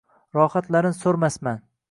Rohatlarin so’rmasman.